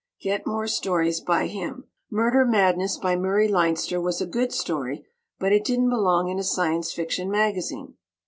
Get more stories by him. "Murder Madness," by Murray Leinster, was a good story, but it didn't belong in a Science Fiction magazine.